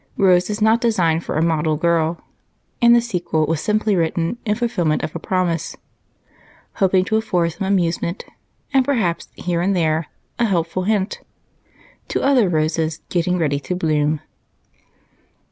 Rose is not designed for a model girl, and the Sequel was simply written in fulfillment of a promise, hoping to afford some amusement, and perhaps here and there a helpful hint, to other roses getting ready to bloom.